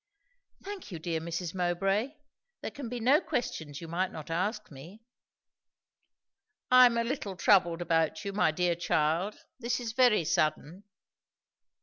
"Thank you, dear Mrs. Mowbray! There can be no questions you might not ask me." "I am a little troubled about you, my dear child. This is very sudden."